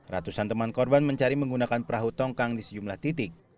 ratusan teman korban mencari menggunakan perahu tongkang di sejumlah titik